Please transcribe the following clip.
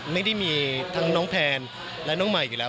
ไม่ได้มีทั้งน้องแพนและน้องใหม่อยู่แล้ว